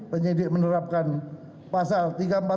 penyidik menerapkan pasal tiga ratus empat puluh